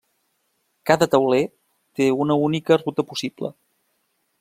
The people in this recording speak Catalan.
Cada tauler té una única ruta possible.